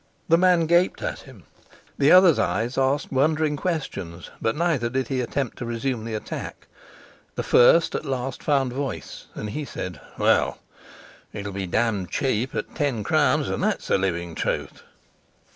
The man gaped at him; the other's eyes asked wondering questions, but neither did he attempt to resume the attack. The first at last found voice, and he said, "Well, it'd be damned cheap at ten crowns, and that's the living truth."